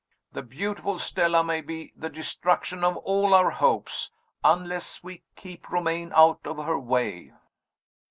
The beautiful Stella may be the destruction of all our hopes, unless we keep Romayne out of her way."